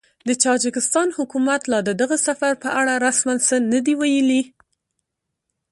د تاجکستان حکومت لا د دغه سفر په اړه رسماً څه نه دي ویلي